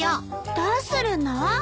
どうするの？